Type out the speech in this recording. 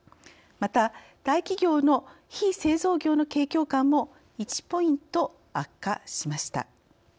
また大企業の非製造業の景況感も１ポイント悪化しました。